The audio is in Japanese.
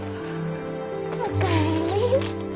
お帰り。